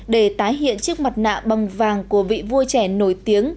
để tái hiện chiếc mặt nạ bằng vàng của vị vua trẻ nổi tiếng